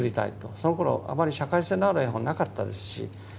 そのころあまり社会性のある絵本なかったですし。